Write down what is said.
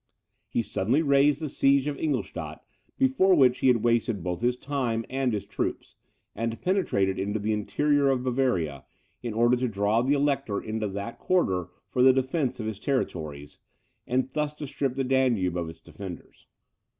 He suddenly raised the siege of Ingolstadt, before which he had wasted both his time and his troops, and penetrated into the interior of Bavaria, in order to draw the Elector into that quarter for the defence of his territories, and thus to strip the Danube of its defenders.